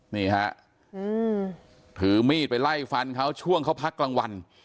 นี่ฮะถือมีดไปไล่ฟันเขาช่วงเขาพักกลางวัน